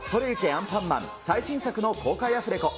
アンパンマン最新作の公開アフレコ。